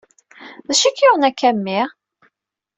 D acu i k-yuɣen akka a mmi?